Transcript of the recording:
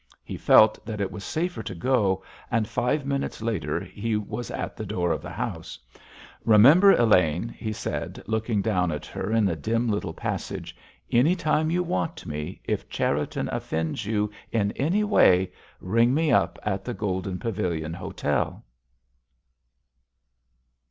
He felt that it was safer to go, and five minutes later he was at the door of the house. "Remember, Elaine," he said, looking down at her in the dim little passage, "any time you want me, if Cherriton offends you in any way, ring me up at the Golden Pavilion Hotel."